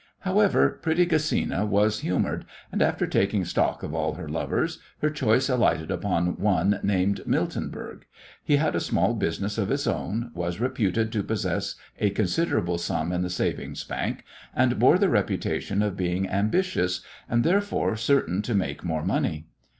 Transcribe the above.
However, pretty Gesina was humoured, and, after taking stock of all her lovers, her choice alighted upon one named Miltenberg. He had a small business of his own, was reputed to possess a considerable sum in the savings bank, and bore the reputation of being ambitious, and, therefore, certain to make more money.